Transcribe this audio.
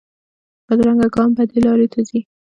بدرنګه ګام بدې لارې ته ځي